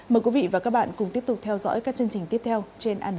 mời quý vị và các bạn cùng tiếp tục theo dõi các chương trình tiếp theo trên anntv